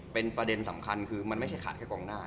เป็นประเด็นสำคัญคือมันไม่ใช่ขาดแค่กองหน้า